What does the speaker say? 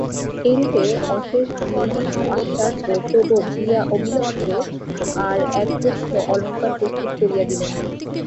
এই রূপে অশেষবিধ আশ্বাস ও প্রবোধ দিয়া অবিলম্বে আর একপ্রস্থ অলঙ্কার প্রস্তুত করিয়া দিলেন।